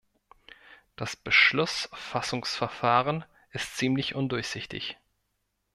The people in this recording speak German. Das Beschlussfassungsverfahren ist ziemlich undurchsichtig.